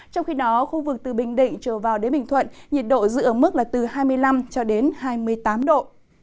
trong khi đó khu vực từ bình định trở vào đến bình thuận nhiệt độ dựa ở mức là từ hai mươi năm hai mươi tám độ